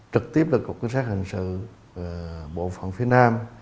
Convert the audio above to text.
trực tiếp là cục chính sát hình sự bộ phòng phía nam